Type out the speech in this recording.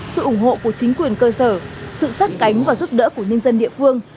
sự ủng hộ của chính quyền cơ sở sự sát cánh và giúp đỡ của nhân dân địa phương